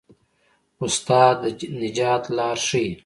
استاد د نجات لار ښيي.